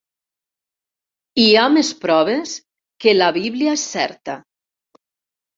Hi ha més proves que la Bíblia és certa.